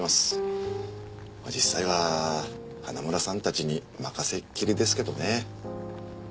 実際は花村さんたちに任せっきりですけどね。